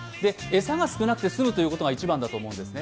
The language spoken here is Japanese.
餌が少なくて済むということが一番だと思うんです。